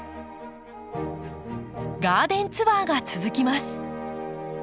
ガーデンツアーが続きます。